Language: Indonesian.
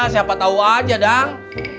siapa tau aja dang